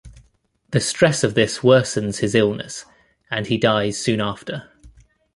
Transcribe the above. The stress of this worsens his illness and he dies soon after.